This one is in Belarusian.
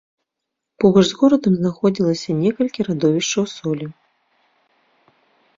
Побач з горадам знаходзілася некалькі радовішчаў солі.